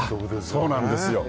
そうなんですよ。